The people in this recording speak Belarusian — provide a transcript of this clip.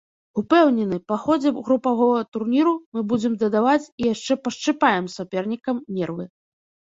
Упэўнены, па ходзе групавога турніру мы будзем дадаваць і яшчэ пашчыпаем сапернікам нервы.